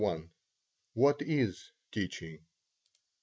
I. WHAT IS TEACHING?